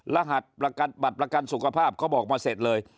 บัตรประกันสุขภาพเขาบอกมาเสร็จเลย